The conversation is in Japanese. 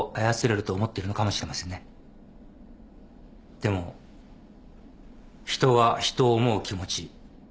でも人が人を思う気持ち。